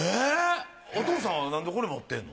お父さんはなんでこれ持ってんの？